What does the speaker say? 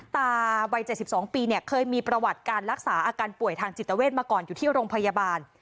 ตาวัย๗๒ปีเนี่ยเคยมีประวัติการรักษาอาการป่วยทางจิตเวทมาก่อนอยู่ที่โรงพยาบาล